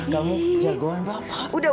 kamu jagoan bapak